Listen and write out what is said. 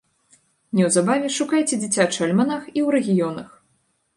Неўзабаве шукайце дзіцячы альманах і ў рэгіёнах!